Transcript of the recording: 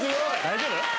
大丈夫？